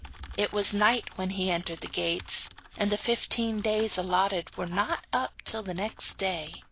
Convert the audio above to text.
It was night when he entered the gates, and the fifteen days allotted were not up till the next day.